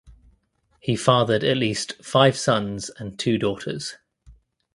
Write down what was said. He fathered at least five sons and two daughters.